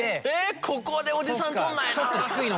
ここでおじさん撮んないなぁ。